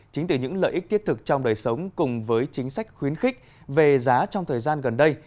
chính từ những lợi ích thiết thực trong đời sống cùng với chính sách khuyến khích về giá trong thời gian gần đây